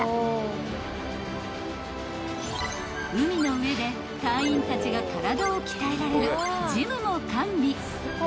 ［海の上で隊員たちが体を鍛えられるジムも完備］